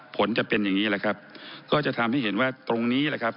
ผลจะเป็นอย่างนี้แหละครับก็จะทำให้เห็นว่าตรงนี้แหละครับ